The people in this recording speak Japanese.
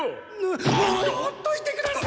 もうほっといてください！